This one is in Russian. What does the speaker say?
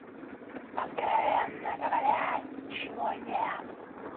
Откровенно говоря, ничего нет.